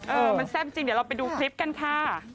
เออมันแซ่บจริงเดี๋ยวเราไปดูคลิปกันค่ะ